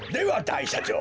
いしゃちょう